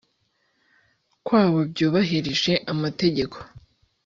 kwabo byu bahirije amategeko